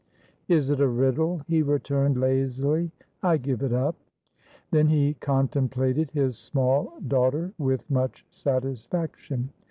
"Is it a riddle?" he returned, lazily. "I give it up." Then he contemplated his small daughter with much satisfaction.